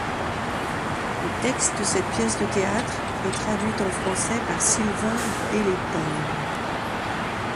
Le texte de cette pièce de théâtre est traduite en français par Sylvain Délétang.